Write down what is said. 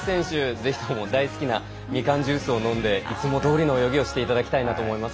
ぜひとも大好きなみかんジュースを飲んでいつもどおりの泳ぎをしていただきたいなと思います。